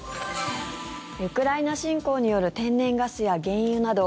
ウクライナ侵攻による天然ガスや原油など